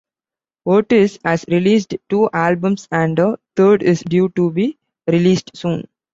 Vortis has released two albums and a third is due to be released soon.